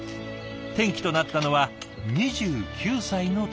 転機となったのは２９歳の時。